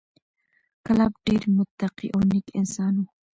کلاب ډېر متقي او نېک انسان و،